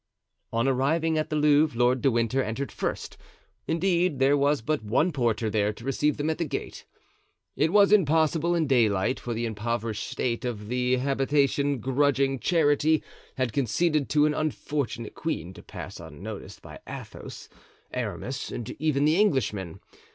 On arriving at the Louvre Lord de Winter entered first; indeed, there was but one porter there to receive them at the gate. It was impossible in daylight for the impoverished state of the habitation grudging charity had conceded to an unfortunate queen to pass unnoticed by Athos, Aramis, and even the Englishman.